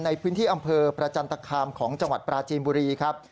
ในพื้นที่อำเภอประจันตคามของจังหวัดปราจีนบุรีครับ